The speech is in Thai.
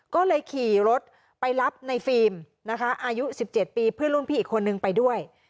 ก็เลยขี่รถไปรับในฟิล์มนะคะอายุ๑๗ปีเพื่อนรุ่นพี่อีกคนนึงไปด้วย